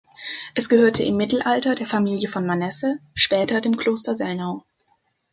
Es gehörte im Mittelalter der Familie von Manesse, später dem Kloster Selnau.